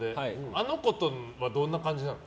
あの子とは、どんな感じなの？